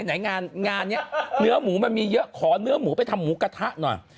ไหนงานนี้เนื้อหมูมันมีเยอะขอเนื้อหมูไปทำหมูกระทะหน่อย